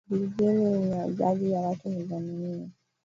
Jiji lina idadi ya watu milioni nne